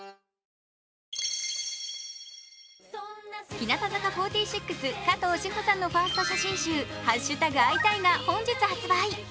日向坂４６・加藤史帆さんのファースト写真集「＃会いたい」が本日発売。